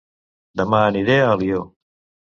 Dema aniré a Alió